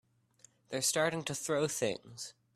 They're starting to throw things!